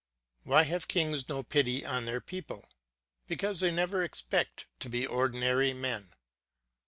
Why have kings no pity on their people? Because they never expect to be ordinary men.